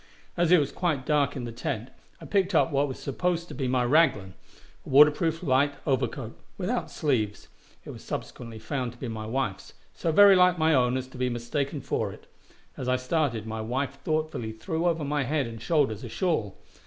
As it was quite dark in the tent, I picked up what was supposed to be my "raglan," a water proof, light overcoat, without sleeves; it was subsequently found to be my wife's, so very like my own as to be mistaken for it; as I started, my wife thoughtfully threw over my head and shoulders a shawl.